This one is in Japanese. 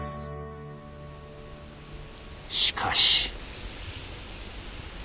しかし。